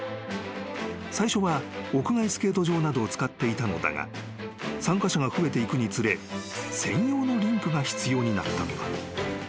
［最初は屋外スケート場などを使っていたのだが参加者が増えていくにつれ専用のリンクが必要になったのだ］